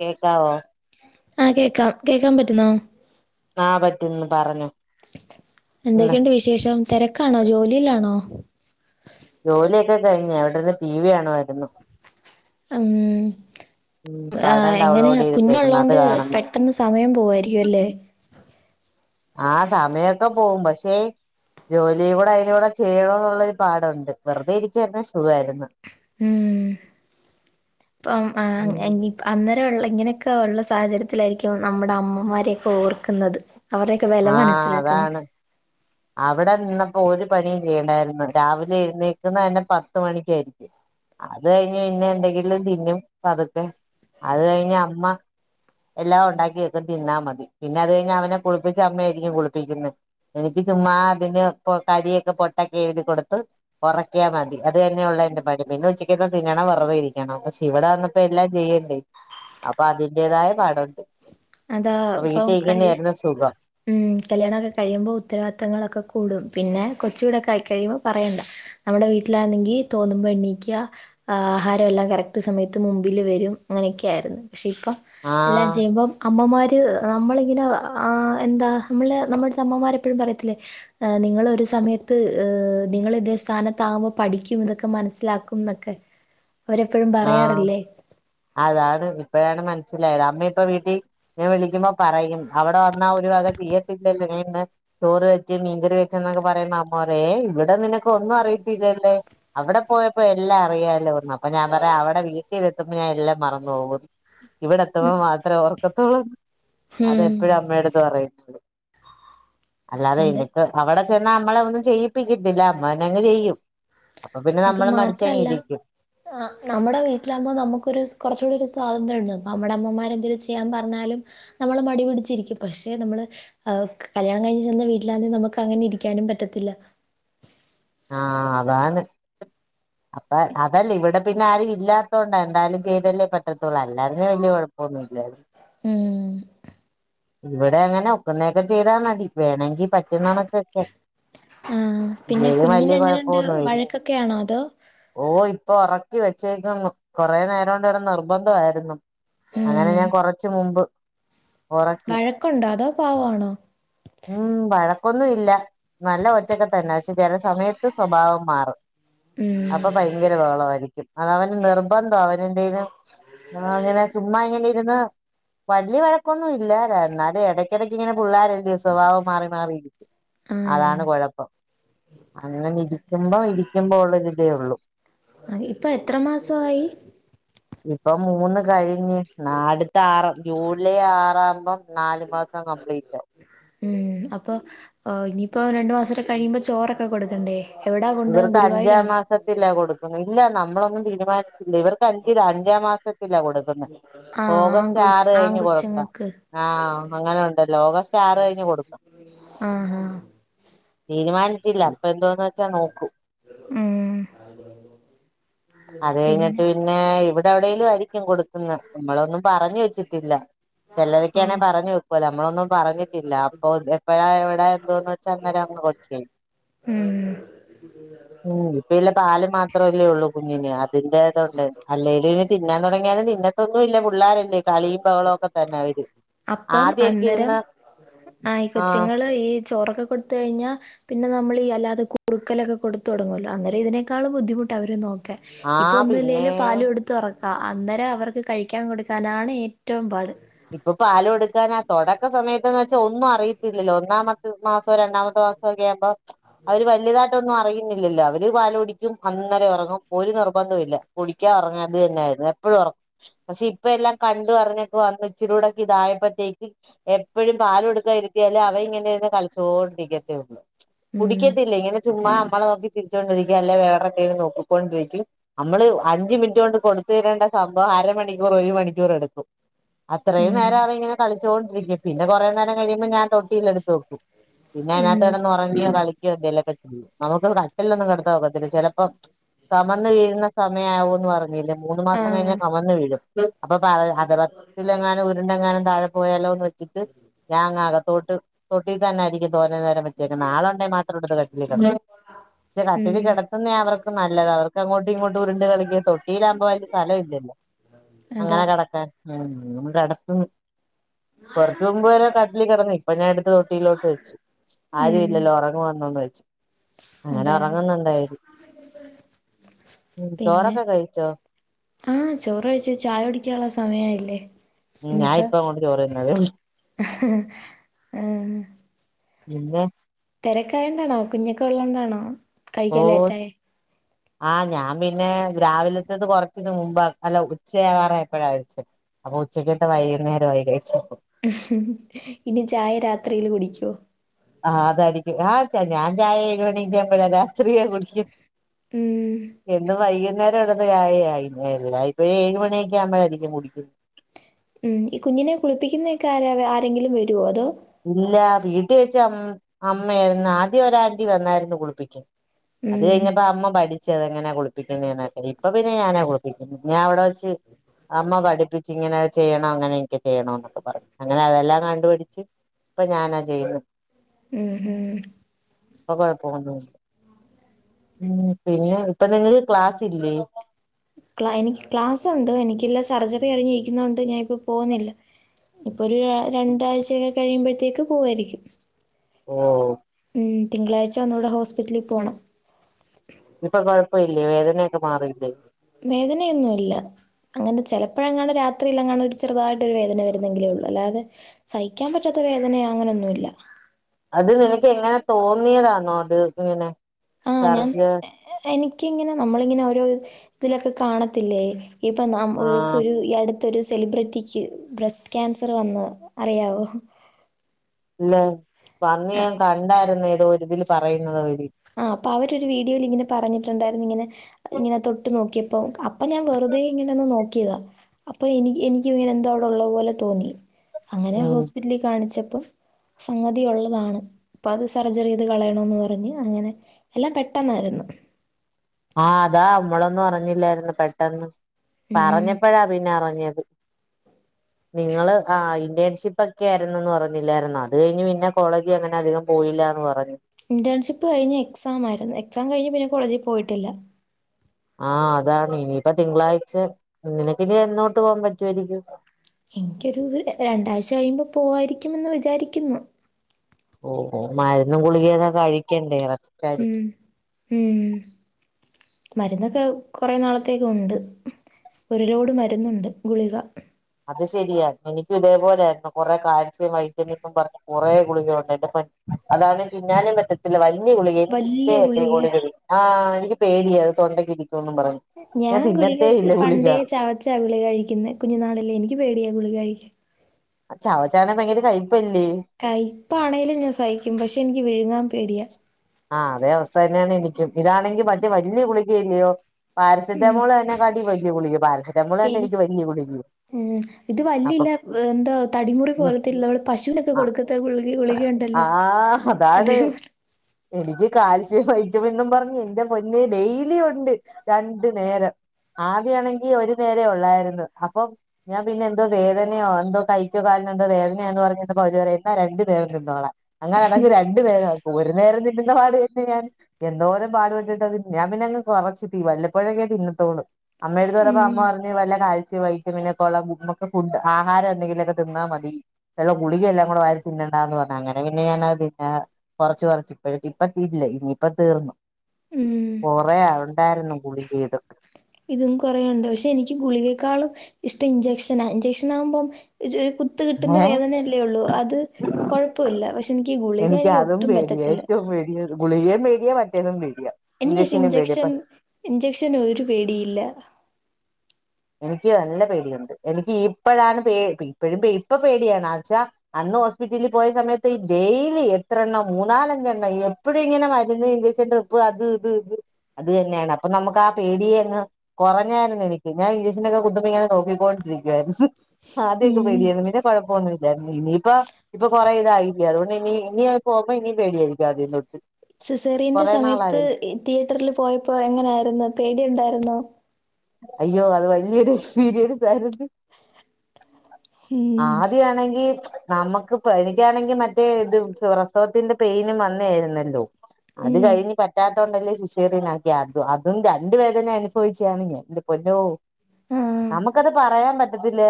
കേക്കാവോ ആഹ് കേക്കാം കേക്കാം പറ്റുന്നോ ആഹ് പറ്റുന്നു പറഞ്ഞോ ഉം എന്തൊക്കെയുണ്ട് വിശേഷം തിരക്കാണോ ജോലിയിലാണോ ജോലിയൊക്കെ കഴിഞ്ഞഞ് അവിടെന്ന് ടി വി കാണുവായിരുന്നു ഉം. ഉം പടം എങ്ങനെ ഡൗൺലോഡ് ചെയ്തിട്ടേക്കുന്നു അത് കുഞ്ഞുള്ളതുകൊണ്ട് കാണുന്നു പെ ട്ടന്ന്. സമയം പോവുമായിരിക്കും അല്ലേ ആ സമയൊക്കെ പോവും പക്ഷേ ജോലി കൂടെ അതി കൂടെ ചെയ്യണ എന്നുള്ളൊരു പാടുണ്ട് വെറുതെ ഇരിക്കുവ തന്നെ സുഖമായിരുന്നു ഉം ഇപ്പം ആ ഉം അന്നേര ഉള്ള ഇങ്ങനെയൊക്കെ ഉള്ള സാഹചര്യത്തിലായിരിക്കും നമ്മുടെ അമ്മമാരെയൊക്കെ ഓർക്കുന്നത് അവരെയൊക്കെ വില ആഹ് മനസ്സിലാക്കുന്നത് അതാണ് അവിടെ നിന്നപ്പോ ഒരു പണിയും ചെയ്യണ്ടായിരുന്നു രാവിലെ എഴുന്നേക്കുന്ന തന്നെ പത്തു മണിക്കായിരിക്കും അത് കഴിഞ് പിന്നെ എന്തെങ്കിലും തിന്നും പതുക്കെ അത് കഴിഞ്ഞ അമ്മ എല്ലാം ഉണ്ടാക്കി വെക്കും തിന്നാൽ മതി പിന്നെ അത് കഴിഞ്ഞഞ് അവനെ കുളിപ്പിച്ച അമ്മ ആായിരിക്കും കുളിപ്പിക്കുന്നു എനിക്ക് ചുമ്മാ അതിന് കരിക്കെ പൊട്ടൊക്കെ എഴുതി കൊടുത്ത് ഉറക്കിയാ മതി അത് തന്നെയുള്ള എന്റെ പണി പിന്നെ ഉച്ചയ്ക്ക്ന്ന തിന്നണം വെറുതെരിക്കണം പക്ഷെ ഇവിടെ വന്ന് ഇപ്പ എല്ലാം ചെയ്യണ്ടേ അപ്പൊ അതിന്റേതായ പടുണ്ട് അപ്പോ വീട്ടേക്ക്ന്നായിരുന്ന സുഖം എ കല്യാണംക്കെ കഴിയുമ്പോൾ ഉത്തരവാദിത്തങ്ങളൊക്കെ കൂടും പിന്നെ കൊച്ചുടൊക്കെ ആയിക്കഴിയുമ്പോൾ പറയണ്ട നമ്മുടെ വീട്ടിലാണെങ്കിൽ തോന്നുമ്പോ എണ്ണീക്ക ആഹാരമെല്ലാം കറക്റ്റ് സമയത്ത് മുമ്പില് വരും അങ്ങനെയൊക്കെയ ആായിരുന്നു പക്ഷേ ഇപ എല്ലാം ആഹ് ചെയ്യുമ്പം അമ്മമാര് നമ്മളിങ്ങനെ അആ എന്താ നമ്മള് നമ്മുടെ അമ്മമാരെപ്പോഴും പറയത്തില്ലേ നിങ്ങളൊ ഒരു സമയത്ത് നിങ്ങൾ ഇതേ സ്ഥാനത്ത ആകുമ്പോൾ പഠിക്കും ഇതൊക്കെ മനസ്സിലാക്കും എന്നൊക്കെ അവരെപ്പോഴും ആഹ് പറയാറില്ലേ അതാണ് ഇപ്പഴാണ് മനസ്സിലായത് അമ്മ ഇപ്പ വീട്ടിൽ ഞൻ വിളിക്കുമ്പോ പറയും അവിടെ വന്നാ ഒരു വക ചെയ്യത്തില്ലല്ലേന്ന് ചോറ് വെച്ച് മീൻ കറിവെച്ച് എന്നൊക്കെ പറയുമ്പോ ഇവിടെ നിനക്ക് ഒന്നും അറയിത്തില്ലല്ലേ അവിടെ പോയപ്പോ എല്ലാം അറിയാലോ ഒന്നു അപ്പൊ ഞാൻ പറയാ അവടെ വീട്ടിലെത്തുമ്പോൾ ഞാൻ എല്ലാം മറന്ന് പോകും ഇവിടെ എത്തുമ്പോ മാത്രമേ ഓർക്കത്തുള്ളൂ അതെ ഉം. എപ്പഴും അമ്മടത് പറയും അല്ലാതെ അതെ. എനിക്ക് അവിടെ ചെന്ന നമ്മളെ ഒന്നും ചെയ്യിപ്പിക്കത്തില്ല അമ്മോനങ്ങ് ചെയ്യും അപ്പൊ പിന്നെ അത് നമ്മള് മാത്രല്ല മടിച്ചണീപ്പിക്കും നമ്മുടെ വീട്ടിലാകുമ്പോൾ നമുക്കൊരു കുറച്ചുകൂടി ഒരു സ്വാതന്ത്ര്യം ഉണ്ട് അപ്പോൾ നമ്മുടെ അമ്മമാരെ എന്തേലും ചെയ്യാൻ പറഞ്ഞാലും നമ്മള് മടി പിടിച്ചിരിക്കും പക്ഷെ നമ്മള് ആ കല്യാണം കഴിഞ്ഞ ചെന്ന വീട്ടിലാണങ്കിൽ നമുക്ക് അങ്ങനെ ഇരിക്കാനും പറ്റത്തില്ല ആഹ് അതാണ് അപ്പൊ അതല്ലേ ഇവിടെ പിന്നെ ആരും ഇല്ലാത്തത്ണ്ടാ എന്തായാലും ചെയ്തല്ലേ പറ്റത്തുള്ളൂ അല്ലാരുന്നേ വല്യയ കുഴപ്പമൊന്നുല്ല ഹാ ഇവിടെ അങ്ങനെ ഒക്കുന്നേൊക്കെ ചെയ്താ മതി വേണമെങ്കി പറ്റുന്നണക്കൊക്കെ ആ പിന്നെ ഇല്ലേലും കുഞ്ഞിന് വലിയ എങ്ങനെയുണ്ട് കുഴപ്പമൊന്നുമില്ല വഴക്കൊക്കൊണോ അതോ ഓ ഇപ്പൊ ഒറക്കി വെച്ചേക്കുന്നു കൊറെേ നേരം കൊണ്ട് ഇവിടെ നിർബന്ധയിരുന്നു അങ്ങനെ ഉം. ഞാൻ കൊറച്ച് മുമ്പ് ഉറക്കി വഴക്കുണ്ടോ അതോ പവാണോ ഉം വഴക്കൊന്നും ഇല്ല നല്ല കൊച്ചക്കെ തന്നെ പക്ഷെ ചില സമയത്ത് സ്വഭാവം മാറും ഉം. അപ്പൊ ഭയങ്കര ബഹളമായിയിരിക്കും അത് അവന് നിർബന്ധം അവനെ ന്തേലും നമളങ്ങനെ അങ്ങനെ ചുമ്മാ ഇങ്ങനെ ഇരുന്ന വലിയ വഴക്കൊന്നും ഇല്ലല എന്നാല് ഇടയ്ക്കിടയ്ക്ക് ഇങ്ങനെ പിള്ളാര ല്ലേ സ്വഭാവം മാറി മാറി ആ. അതാണ് കൊഴപ്പം അങ്ങനെ ഇരിക്കുമ്പോ ഇരിക്കുമ്പോ ഉള്ളരിതേ ഉള്ളൂ ആ ഇപ്പം എത്ര മാസമായി ഇപ്പം മൂന്ന് കഴിഞ്ഞ് നാല് [unintelligible] ജൂലൈ ആറാവുമ്പം നാല് മാസം കംപ്ലീറ്റാവും. മ് അപ്പോ എഹ് ഇനിയിപ്പോ രണ്ട് മാസോടി കഴിയുമ്പോ ചോറൊക്കെ കൊടുക്കണ്ടേ? എവിടാ കൊണ്ടുപോകാൻ ഇവർക്ക് അഞ്ചാം ഗുരുവായൂരാണോ മാസ ത്തില കൊടുക്കുന്നെ, ഇല്ല നമ്മളൊന്നും തീരുമാനിച്ചില്ല, ഇവർക്ക് അഞ്ചിലാ അഞ്ചാം മാസത് ത്തിലാ കൊടുക്കുന്നെ, ആ ഓഗസ്റ്റ് ആങ്കൊച്ച് ആറ് കഴിഞ്ഞ് കൊടുക്കാം. ആങ്കൊച്ചുങ്ങൾക്ക് ആഹ് അങ്ങനോണ്ടല്ലോ ഓഗസ്റ്റ് ആറ് കഴിഞ്ഞ് കൊടുക്കാം. ആഹാ തീരുമാനിച്ചില്ല, അപ്പ എന്തോന്ന് വെച്ചാൽ നോക്കും. മ് അത് കഴിഞ്ഞിട്ട് പിന്നെ ഇവിടെ എവിടേലും ആയിരിക്കും കൊടുക്കുന്ന, നമ്മളൊന്നും പറഞ്ഞ് വെച്ചിട്ടില്ല, ഓ ചെലോരൊക്കെയാണെ പറഞ്ഞ് വെ [unintelligible] നമ്മളൊന്നും പറഞ്ഞിട്ടില്ല, അപ്പോ എപ്പഴാ എവിടാ എന്തോന്ന് വെച്ചാൽ അന്നേരം അങ്ങ് [unintelligible] മ് മ് ഇപ്പ ഇല്ല പാല് മാത്രല്ലേ ഒള്ളൂ. കുഞ്ഞിന് അതിന്റെതോണ്ട് അല്ലേൽ ഇന് തിന്നാൻ തൊടങ്ങിയാല് തിന്നത്തൊന്നുല്ല, പുള്ളാരല്ലേ കളിയും ബഹളൊക്കെ തന്നെ അവര് അപ്പം ആദ്യൊക്കെ അന്നേരം ഇരുന്ന് ആഹ് ഈ കൊച്ചുങ്ങള് ഈ ചോറൊക്കെ കൊടുത്ത് കഴിഞ്ഞാ പിന്നെ നമ്മളീ അല്ലാതെ കുറുക്കലൊക്കെ കൊടുത്തു തൊടങ്ങുവല്ലോ അന്നേരം ഇതിനേക്കാള് ബുദ്ധിമുട്ട അവരെ നോക്കാൻ. ഇപ്പ ആഹ് പിന്നെ ഒന്നുല്ലേല് പാലു കൊടുത്ത് ഒറ ക്ക അന്നേരം അവർക്ക് കഴിക്കാൻ കൊടുക്കാനാണ് ഏറ്റവും പാട്. ഇപ്പ പാലു കൊടുക്കാനാ തൊടക്ക സമയത്ത്ന്ന് വെച്ചാ ഒന്നും അറിയത്തില്ലല്ലോ ഒന്നാമ ത്ത് മാസോ രണ്ടാമത്തെ മാസക്കെ ആകുമ്പോ അവര് വലിയതാ യിട്ടൊന്നും അറിയുന്നില്ലല്ലോ, അവര് പാല് കുടിക്കും അന്നേരം ഒറങ്ങും ഒരു നിർബന്ധം ഇല്ല, കുടിക്ക ഒറങ്ങ അത് തന്നെയായിരുന്നു, എപ് ഇപ്പഴും ഒറ പക്ഷേ ഇപ്പ എല്ലാം കണ്ട് അറിഞ്ഞൊക്കെ വന്ന് ഇച്ചിരികൂടൊക്കെ ഇതായപ്പത്തേക്ക് എപ്പഴും പാല് കൊടുക്കാ ഇരുത്തിയാല് അവ ഇങ്ങനെ ഇരുന്ന് കളിച്ചോണ്ട് ഇരിക്കത്തേ ഒള്ളൂ. ഉം കുടിക്കത്തില്ല, ഇങ്ങനെ ചുമ്മാ നമ്മളെ നോക്കി ചിരിച്ചോണ്ടിരിക്കും അല്ലേ വേറെന്തേലും നോക്കും. കൊണ്ടിരിക്കും നമ്മള് അഞ്ച് മിനിറ്റ് കൊണ്ട് കൊടുത്തു തീരേണ്ട സംഭവം അരമണിക്കൂർ ഒരു മണിക്കൂർ എടുക്കും. അത്രയും നേരം ഉം അവൻ ഇങ്ങനെ കളിച്ചോണ്ടിരിക്കും പിന്നെ കൊറേ നേരം കഴിയുമ്പോ ഞാൻ തൊട്ടിയിൽ എടുത്ത് വെക്കും. പിന്നെ അയിനാത്ത് ഉം കെടന്ന് ഉറങ്ങിയോ കളി [unintelligible] നമുക്കത് കട്ടിലിലൊന്നും കെടത്താൻ ഒക്കത്തില്ല, ചെലപ്പം കമന്ന് വീഴുന്ന സ മയായാകുന്ന് പറഞ്ഞില്ലേ മൂന്ന് മാസം കഴിഞ്ഞ ആഹ് കമന്നു വീഴും, അപ്പ [unintelligible] ട്ടിലെങ്ങാനും ഉരുണ്ടെങ്ങാനും താഴെ പോയാലോന്ന് വെച്ചിട്ട് ഞാങ്ങാകത്തോട്ട് തൊട്ടീ തന്നെ അരിക തോന്നേ നേരം വെച്ചേക്കുന്നേ ആളെ ഉണ്ടെ മാത്രം എടുത്ത് കട്ടിലി [inaudible] പക്ഷേ കട്ടിലിൽ ഉം കെടത്തുന്നെ അവർക്ക് നല്ലതാ, അവർക്ക് അങ്ങോട്ടും ഇങ്ങോട്ട് ഉരുണ്ട് കളിക്ക തൊട്ടിലാവുമ്പോ അയില് സ്ഥലം ഇല്ല അങ്ങനെ അതാ കെടക്കാൻ. ഉം നമ്മുടെ അട്ത്ത് കൊറച്ചു മുമ്പു വരേ കട്ട്ലി കെടന്നി അപ്പ ഞാൻ എടുത്ത് തൊട്ടിയിലോട്ട് വെച്ചു ആരും ഉം ഇല്ലല്ലോ ഉറങ്ങുവാന്നുന്ന് വെച്ചു. അങ്ങനെ അതാണ് ഒറങ്ങുന്നുണ്ടായില്, ഉം ചോറൊക്കെ പിന്നെ കഴിച്ചോ? ആഹ് ചോറ് കഴിച്ച് ചായ കുടിക്കാനുള്ള സമയായില്ലേ. ഉം ഞാൻ ഇനിപ്പോ ഇപ്പ അങ്ങോട്ട് ചോറ് തിന്നതേ ഉള്ളൂ ആഹ് പിന്നെ തെരക്കായോണ്ടാണോ കുഞ്ഞൊക്കെ ഉള്ളോണ്ടാണോ ഓ കഴിക്കാൻ ലേറ്റായെ. ആഹ് ഞാൻ പിന്നെ രാവിലത്തത് കൊറച്ചന് മുമ്പ അല്ല ഉച്ചയാകാറായപ്പഴാ കഴിച്ചെ. അപ്പോ ഉച്ചയ്ക്കത്തെ വൈകുന്നേരവായി കഴിച്ചപ്പം. ഇനി ചായ രാത്രിയില് കുടിക്കോ? ആഹ് അതായിരിക്കും ആഹ് ച ഞാൻ ചായ ഏഴ് മണിക്കെപ്പഴക്കെ ഇച്ചിരിയെ കുടിക്കും ഉം [unintelligible] വൈകുന്നേ കെടന് രവിലെ ആയില്ലേ എല്ലായ്‌പ്പോഴും ഏഴ് മണിയൊക്കെ ആമ്പരായിരിക്കും കുടിക്കുന്നെ മ് ഈ കുഞ്ഞിനെ കുളിപ്പിക്കുന്നെക്കെ ആരാ വേ ആരെങ്കിലും വരോ അതോ ഇല്ല വീട്ടി വെച്ച് അം അമ്മയന്ന് ആദ്യം ഒരാന്റി വന്നായിരുന്നു കുളിപ്പിക്കാൻ. അത് ഉം കഴിഞ്ഞപ്പ അമ്മ പഠി ച്ചത് എങ്ങനെയ കുളിപ്പിക്കുന്നെന്നൊക്കെ ഇപ്പോ പിന്നെ ഞാനാ കുളിപ്പിക്കുന്നു ഞാൻ അവിടെ വെച്ച് അമ്മ പഠിപ്പിച്ച് ഇങ്ങനെ ചെയ്യണം അങ്ങനെ ഒക്കെ ചെയ്യണോന്നൊക്കെ പറഞ്ഞ് അങ്ങനെ അതെല്ലാം കണ്ടുപടിച്ച് ഇപ്പൊ ഞാനാ ചെയ്യുന്നെ ഉം ഉം ഇപ്പൊ കൊഴപ്പന്നുല്ല ഉം പിന്നെ ഇപ്പ നിങ്ങക്ക് ക്ലാസ് ഇല്ലേ ക്ലാ എനിക്ക് ക്ലാസുണ്ട് എനിക്ക്ള്ള സർജറി കഴിഞ്ഞിരിക്കുന്നോണ്ട് ഞാനിപ്പോ പോന്നില്ല ഇപ്പൊ ഒരു രണ്ടാഴ്ചൊക്കെ കഴിയുമ്പഴത്തേക്ക് പോവായിരിക്കും ഓഹ് ഉം തിങ്കളാഴ്ച ഒന്നൂടെ ഹോസ്പിറ്റലിൽ പോണം ഇപ്പൊ കൊഴപ്പ ഇല്ലേ വേദനയൊക്കെ മാറിയില്ലേ വേദന ഒന്നും ഇല്ല അങ്ങനെ ചെലപ്പഴങ്ങാനോ രാത്രിയിലങ്ങാണോ ഒര് ചെറുതായിട്ട് വേദന വരുന്നെങ്കിലേ ഉള്ളൂ അല്ലാതെ സയിക്കാൻ പറ്റാത്ത വേദനയോ അങ്ങനൊന്നുല്ല അത് നിനക്ക് എങ്ങനെ തോന്നിയതാണോ അത് ഇങ്ങനെ ആഹ് ഞാൻ സർജ് എനിക്കിങ്ങനെ നമ്മളിങ്ങനെ ഓരോ ഇതിലൊക്കെ കാണത്തില്ലേ ഇപ്പൊ നാം ഇപ്പൊ ആഹ് ഒരു ഈ അട് ത്തൊരു സെലിബ്രിറ്റിക്ക് ബ്രസ്റ്റ് ക്യാൻസർ വന്ന് അറിയാവോ ഇല്ല അന്ന് ഞാൻ കണ്ടായിരുന്നു ഏതോ ഒരുതിൽ പറയുന്നത് അവര് ആഹ് അപ്പോ അവരൊരു വീഡിയോയിൽ ഇങ്ങനെ പറഞ്ഞിട്ട്ണ്ടായിരുന്നു ഇങ്ങനെ ഇങ്ങനെ തൊട്ട് നോക്കിയപ്പോ അപ്പൊ ഞാൻ വെറുതെ ഇങ്ങനെ ഒന്ന് നോക്കിയതാ അപ്പൊ എനി എനിക്ക്ങ്ങനെ എന്തോ അവിടെ ഉള്ളതു പോലെ തോന്നി അങ്ങനെ ഉം ഹോസ്പിറ്റലിൽ കാണിച്ചപ്പം സംഗതി ഉള്ളതാണ് അപ്പ അത് സർജറി ചെയ്ത് കളയണംന്ന് പറഞ്ഞു അങ്ങനെ എല്ലാം പെട്ടെന്നായിരുന്നു ആഹ് അതാ മ്മളൊന്നും അറിഞ്ഞില്ലായിരുന്നു പെട്ടെന്ന് പറഞ്ഞപ്പഴാ പിന്നെ അറിഞ്ഞത് [unintelligible] നിങ്ങൾ ആഹ് ഇന്റേൺഷിപ്പ് ഒക്കെ ആയിരുന്നെന്ന് പറഞ്ഞില്ലായിരുന്നോ അത് കഴിഞ്ഞ് പിന്നെ കോളേജില് അങ്ങനെ അധികം പോയില്ലാന്ന് പറഞ്ഞു ഇന്റേൺഷിപ്പ് കഴിഞ്ഞ് എക്സാമായിരുന്നു എക്സാം കഴിഞ്ഞ് പിന്നെ കോളേജിൽ പോയിട്ടില്ല ആഹ് അതാണ് ഇനിയിപ്പോ തിങ്കളാഴ്ച നിനക്കിനി എന്ന് തൊട്ട് പോവാൻ പറ്റുവായിരിക്കും എനിക്കൊരു രണ്ടാഴ്ച കഴിയുമ്പോ പോവായിരിക്കുമെന്ന് വിചാരിക്കുന്നു ഓഹ് ഓഹ് മരുന്നും ഗുളികയൊക്കെ കഴിക്കണ്ടേ ഉം ആയിരിക്കും ഉം മരുന്നൊക്കെ കൊറേ നാളത്തേക്ക്‌ ഉണ്ട് ഒരു ലോഡ്‌ മരുന്നുണ്ട് ഗുളിക അത് ശരിയ എനിക്കും ഇതേപോലെ ആയിര്ന്നു കൊറെ കാൽസ്യം വൈറ്റമിൻന്ന് പറഞ്ഞ് കുറെ ഗുളിക ഉണ്ട് [unintelligible] അതാണേ തിന്നാനും പറ്റ ത്തില്ല വല്ലിയ ഗുളിക എനിക്ക് ഇഷ്ടേ വല്യ അല്ല ഈ ഗുളികയാ [unintelligible] ആഹ് എനിക്ക് പേടിയ അത്‌ തൊണ്ടക്ക് ഇരിക്കുന്ന് പറഞ്ഞു ഞാൻ ഗുളിക പണ്ടേ ചവച്ചാ ഗുളിക കഴിക്കുന്നെ കുഞ്ഞു നാളിലേ എനിക്ക് പേടിയാ ഗുളിക കഴിക്കാൻ ചവച്ചാണെ ഭയങ്കര കയിപ്പല്ലേ കൈപ്പാണേലും ഞാൻ സഹിക്കും പക്ഷെ എനിക്ക് വിഴുങ്ങാൻ പേടിയാ ആഹ് അതേ അവസ്ഥ തന്നെയാണ് എനിക്കും ഇതാണെങ്കി മറ്റേ വല്ല്യ ഗുളിക അല്ലിയോ പാരസെറ്റമോൾ അയിന്നെ കാട്ടി വലിയ ഗുളികയാ പാരസെറ്റമോൾ തന്നെ എനി എനിക്ക് വലിയ ഗുളികയാ ഉം ഇത് വല്ലില്ല എന്തോ തടിമുറി ഉം പോലത്തെ നമ്മള് പശൂനൊക്കെ ആഹ് കൊടുക്ക ഗുളിക ഗുളികണ്ടല്ലോ ആഹ് അതേ അതാണ് പോലെ എനിക്ക് കാൽസ്യം വൈറ്റമിൻന്നും പറഞ്ഞ് ഇന്റെ പൊന്നേ ഡെയിലി ഉണ്ട് രണ്ടു നേരം ആദ്യാണെങ്കി ഒരു നേരെ ഉള്ളായിരുന്നു അപ്പം ഞാൻ പിന്നെ എന്തോ വേദനയോ എന്തോ കൈക്കോ കാല്നോ എന്തോ വേദനയാന്ന് പറഞ്ഞപ്പോ അവര് പറയാ എന്നാ രണ്ടു നേരം തിന്നോളാൻ അങ്ങനെ അതങ്ങ് രണ്ടു നേരമായി ഒരു നേരം തിന്നുന്ന പാട് തന്നെ ഞാന് എന്തോരം പാടു പെട്ടിട്ട തിന്നെ ഞാൻ പിന്നെങ്ങ് കുറച്ച് തീ വല്ലപ്പോഴൊക്കെ തിന്നത്തോളൂ അമ്മേടെത്ത് പറഞ്ഞപ്പോ ഉം അമ്മ പറഞ്ഞ് വല്ല കാൽസ്യോ വൈറ്റമിൻ ഒക്കെ ഉള്ള ഫുഡ് ആഹാരം എന്തെങ്കിലും ഒക്കെ തിന്നാ മതി ഉള്ള ഗുളിക എല്ലാം കൂടെ വാരി തിന്നണ്ടാന്ന് പറഞ്ഞു അങ്ങനെ പിന്നെ ഞാനത് പിന്നെ കൊറച്ച് കൊറച്ച് ഇപ്പഴത് ഇപ്പതീരില്ല ഇനിയിപ്പ തീർന്നു ഉം കൊറെ ഉണ്ടായിരുന്നു ഗുളികീത് ഇതും കോറേണ്ട് പക്ഷേ എനിക്ക് ഗുളികേക്കാളും ഇഷ്ടം ഇഞ്ചെക്ഷനാ ഇഞ്ചക്ഷൻ ആകുമ്പം ഒര് കു ത്ത് കിട്ടുന്ന ഏഹ് വേദനയല്ലേ ഉള്ളൂ അത് കുഴപ്പല്ല പക്ഷെ എനിക്ക് ഈ ഗുളിക എനിക്ക് ഒട്ടും പറ്റത്തില്ല എനിക്ക്പെടിയാണ് ഗുളികയും പേടിയ മറ്റേതും പേടിയ ഇനി പക്ഷെ ഇൻജക്ഷൻ ഇൻജക്ഷൻ ഒരു പേടിയില്ല എനിക്ക് നല്ല പേടിയുണ്ട് എനിക്ക് ഇപ്പഴാണ് പേ ഇപ്പഴും പേ ഇപ്പം പേടിയാണ് ആച്ച അന്ന് ഹോസ്പിറ്റലിൽ പോയ സമയത്ത് ഈ ഡെയിലി എത്രണ്ണം മൂന്നാലഞ്ചെണ്ണം എ എപ്പോഴും ഇങ്ങനെ മരുന്ന് ഇൻജക്ഷൻട്രിപ്പ് അത് ഇത് ഇത് അത് തന്നെയാണ് അപ്പം നമ്മുക്ക് ആഹ് പേടിയെ അങ്ങ് കുറഞ്ഞായിരുന്നു എനിക്ക് ഞാൻ ഇൻജക്ഷനോക്കെ കുത്തുമ്പോ ഇങ്ങനെ നോക്കിക്കൊണ്ടിരിക്കുവായിരുന്നു ആദ്യോക്കെ ഉം. പേടിയായിരുന്നു പിന്നെ കോഴപ്പോന്നും ഇല്ലായിരുന്നു ഇനിയിപ്പോ ഇപ്പൊ കൊറെ ഇതായില്ലെ അതുകൊണ്ട് ഇനി ഇനി പോകുമ്പോ ഇനിയും പേടിയായിരിക്കും ആദ്യം തൊട്ട് സിസേറിയന്റെ കൊറേ സമയത്ത് നാളായല്ലോ തിയേറ്ററിൽ പോയപ്പോ എങ്ങനായിരുന്നു പേടിയുണ്ടായിരുന്നോ അയ്യോ അത് വലിയൊരു എക്സ്പീരിയൻസ് ആയിരുന്നു ഉം. ആദ്യാണെങ്കിൽ നമുക്ക് എനിക്കാണെങ്കി മറ്റേ ഇത് പ്രസവത്തിന്റെ പെയിനും വന്നേയായിരുന്നല്ലോ അത് ഉം. കഴിഞ്ഞ് പറ്റാത്തതൊണ്ടല്ലേ സിസേറിയനാക്കിയെ അതും അതും രണ്ട് വേദന അനുഭവിച്ചേണ് ഞാൻ ഇന്റെ പൊന്നോ ആഹ്. നമുക്കത് പറയാൻ പറ്റത്തില്ല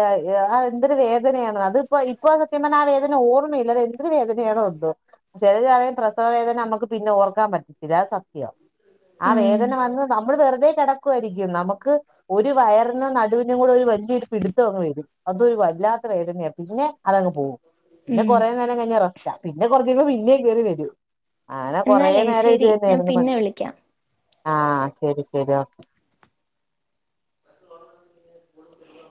ആ എന്തൊരു വേദനയാണ് അതിപ്പോ ഇപ്പോസത്യം പറഞ്ഞാ ആ വേദന ഓർമ്മയില്ല അത് എന്തൊരു വേദനയാണോ എന്തോ ചിലരാരേയും പ്രസവേദന നമുക്ക് പിന്നെ ഓർക്കാൻ പറ്റത്തില്ല അത് സത്യ ആ ഉം. വേദന വന്ന് നമ്മൾ വെറുതെ കിടക്കുവായിരിക്കും നമു ക്ക്ഒരു വയറിനും നടുവിനും കൂടെ ഒരു വലിയൊരു പിടുത്തം അങ്ങ് വരും അതൊരു വല്ലാത്ത വേദനയ പിന്നെ അതങ്ങ് പോകും പിന്നെ ഉം. കുറേ നേരം കഴിഞ്ഞ റസ്റ്റ പിന്നെ കുറച്ച് കയിഞ്ഞ് പിന്നേ കേറി വരും അങ്ങന കൊറേ എന്നാലേ നേരം ഇത് ശരി. ഞാൻ തന്നെയായിരുന്നു പണി പിന്നെ വിളിക്കാം. ആ ശരി ശരി ഓക്കെ